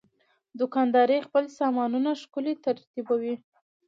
دوکاندار خپل سامانونه ښکلي ترتیبوي.